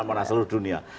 di mana mana seluruh dunia